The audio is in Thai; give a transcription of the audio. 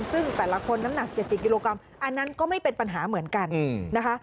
ซึ่งแต่ละคนน้ำหนัก๗๐กิโลกรัมอันนั้นก็ไม่เป็นปัญหาเหมือนกันนะคะ